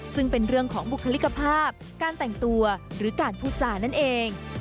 ซึ่งเป็นเรื่องของบุคลิกภาพการแต่งตัวหรือการพูดจานั่นเอง